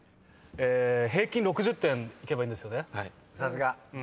え平均６０点いけばいいんですよね。